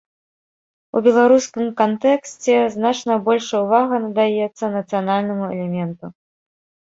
У беларускім кантэксце значна большая ўвага надаецца нацыянальнаму элементу.